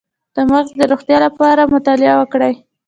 د مغز د روغتیا لپاره مطالعه وکړئ